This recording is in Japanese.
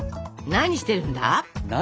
何してるんだ？